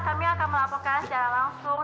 kami akan melaporkan secara langsung